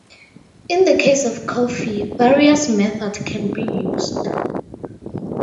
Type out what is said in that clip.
In the case of coffee, various methods can be used.